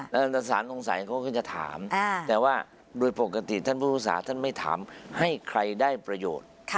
แล้วสารสงสัยเขาก็จะถามแต่ว่าโดยปกติท่านผู้ศึกษาท่านไม่ถามให้ใครได้ประโยชน์